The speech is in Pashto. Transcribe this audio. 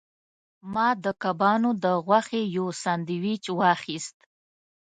ما د کبانو د غوښې یو سانډویچ واخیست.